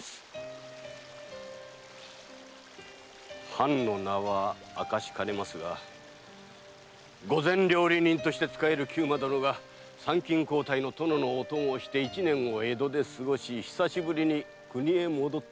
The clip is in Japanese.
藩の名は明かしかねますが御膳料理人として仕える粂蔵殿が参勤交代の殿のお供をして一年を江戸で過ごし久しぶりに国へ戻った。